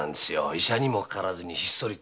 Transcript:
医者にもかからずにひっそりと。